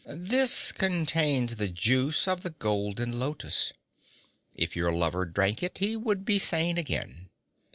'This contains the juice of the golden lotus. If your lover drank it he would be sane again.